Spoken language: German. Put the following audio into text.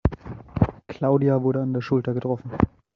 Claudia wurde an der Schulter getroffen.